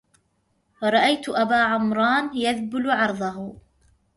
رأيت أبا عمران يبذل عرضه